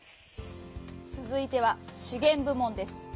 つづいては「資源部門」です。